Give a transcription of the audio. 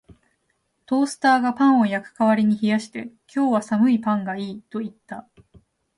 トースターがパンを焼く代わりに冷やして、「今日は寒いパンがいい」と言った